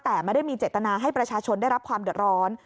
แต่ไม่ได้มีเจตนาให้ประชาชนได้รับความเดือดร้อน